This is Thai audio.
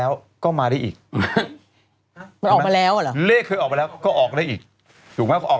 เอาได้เองก็เล็กจะเล็ก